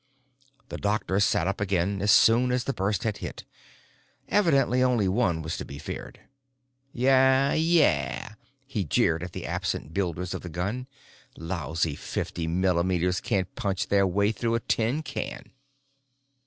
The doctor sat up again as soon as the burst had hit; evidently only one was to be feared. "Yah, yah," he jeered at the absent builders of the gun. "Lousy fifty millimeters can't punch their way through a tin can!"